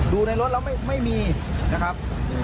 ดูในรถแล้วไม่มีนะครับ